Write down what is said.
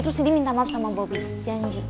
terus cindy minta maaf sama bobby janji